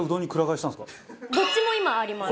どっちも今あります！